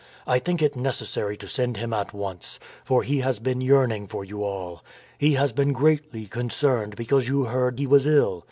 " I think it necessary to send him at once, for he has been yearning for you all. He has been greatly concerned because you heard he was ill.